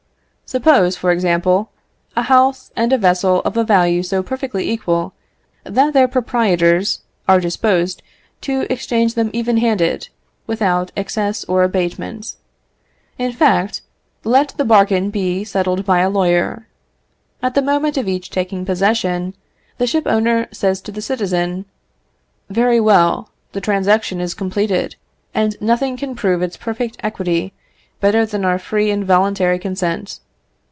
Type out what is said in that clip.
Suppose, for example, a house and a vessel of a value so perfectly equal that their proprietors are disposed to exchange them even handed, without excess or abatement. In fact let the bargain be settled by a lawyer. At the moment of each taking possession, the shipowner says to the citizen, "Very well; the transaction is completed, and nothing can prove its perfect equity better than our free and voluntary consent.